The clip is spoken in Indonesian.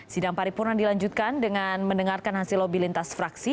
sidang paripurna dilanjutkan dengan mendengarkan hasil lobby lintas fraksi